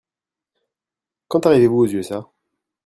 Quand arrivez-vous aux USA ?